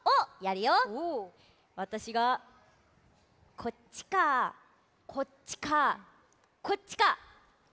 わたしがこっちかこっちかこっちかこっちか！